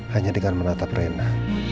hanya dengan menatap rena